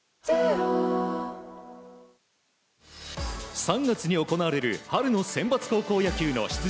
３月に行われる春のセンバツ高校野球出場